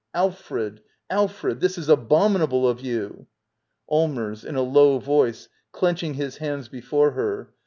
] Alfred! Alfred! This is abominable of you! Allmers. [In a low voice, clenching his hands j/^ before her.